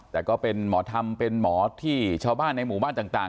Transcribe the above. แต่ก็เป็นหมอธรรมเป็นหมอที่ชาวบ้านในหมู่บ้านต่าง